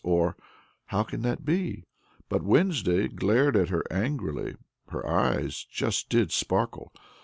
(or, "How can that be?") but Wednesday glared at her angrily; her eyes just did sparkle!